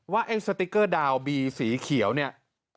ไอ้สติ๊กเกอร์ดาวบีสีเขียวเนี่ย